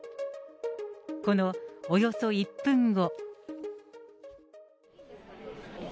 このおよそ１分後。